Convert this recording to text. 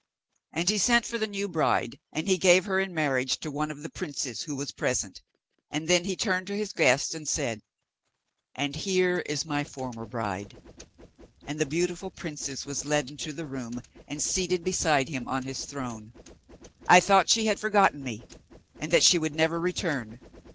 And he sent for the new bride, and he gave her in marriage to one of the princes who was present, and then he turned to his guests, and said: 'And here is my former bride' and the beautiful princess was led into the room and seated beside him on his throne. 'I thought she had forgotten me, and that she would never return.